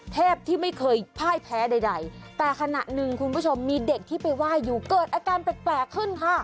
เทพที่ไม่เคยพ่ายแพ้ใดแต่ขณะหนึ่งคุณผู้ชมมีเด็กที่ไปไหว้อยู่เกิดอาการแปลกขึ้นค่ะ